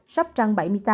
sóc trăng bảy mươi tám